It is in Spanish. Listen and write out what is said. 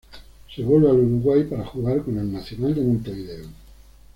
Se vuelve al Uruguay para jugar con Nacional de Montevideo.